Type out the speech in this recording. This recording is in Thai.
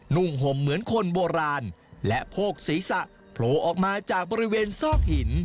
่งห่มเหมือนคนโบราณและโพกศีรษะโผล่ออกมาจากบริเวณซอกหิน